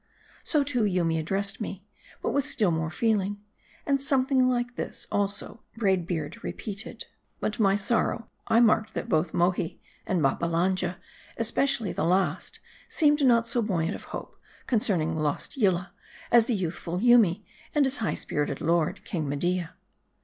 So, too, Yoomy addressed me ; but with still more feeling. And something like this, also, Braid Beard repeated. M A R D I. 233 But to my sorrow, I marked that both Mohi and Babba lanja, especially the last, seemed not so buoyant of hope, concerning lost Yillah, as the youthful Yoomy, and his high spirited lord, King Media.